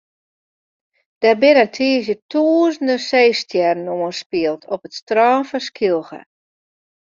Der binne tiisdei tûzenen seestjerren oanspield op it strân fan Skylge.